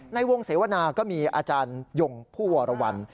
ในวงเสวนาก็มีอาจารยงผู้วรวรรณ